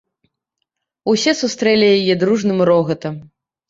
Усе сустрэлі яе дружным рогатам.